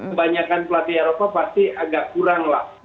kebanyakan pelatih eropa pasti agak kurang lah